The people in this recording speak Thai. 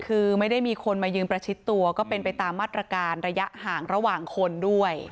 คือไม่ได้มีคนมายืนประชิดตัวก็เป็นไปตามมาตรการระยะห่างระหว่างคนด้วย